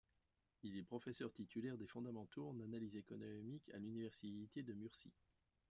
Il est professeur titulaire des fondamentaux en analyse économique à l'Université de Murcie.